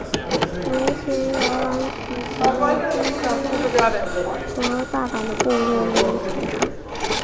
竹田摇篮曲曾被京都和大阪的部落民传唱。